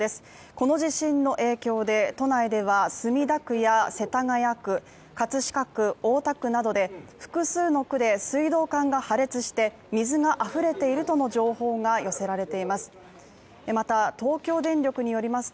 この地震の影響で都内では墨田区や世田谷区、葛飾区、大田区などで複数の区で水道管が破裂して水があふれているとの情報が寄せられています。